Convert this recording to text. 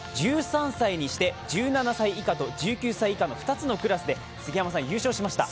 １３歳にして、１７歳以下と１９歳以下の２つのクラスで優勝しました。